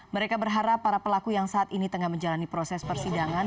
mereka berharap para pelaku yang saat ini tengah menjalani proses persidangan